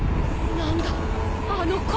何だあの拳！